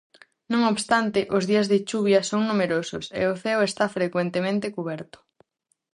Non obstante, os días de chuvia son numerosos e o ceo está frecuentemente cuberto.